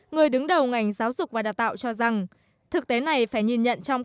người đứng đầu ngành giáo dục và đào tạo phổ thông